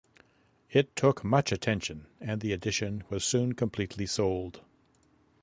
It took much attention, and the edition was soon completely sold.